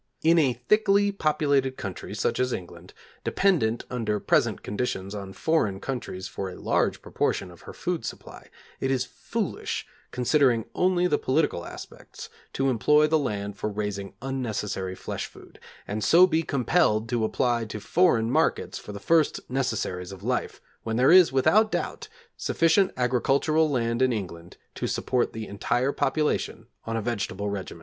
In a thickly populated country, such as England, dependent under present conditions on foreign countries for a large proportion of her food supply, it is foolish, considering only the political aspects, to employ the land for raising unnecessary flesh food, and so be compelled to apply to foreign markets for the first necessaries of life, when there is, without doubt, sufficient agricultural land in England to support the entire population on a vegetable regimen.